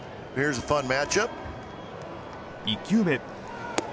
１球目。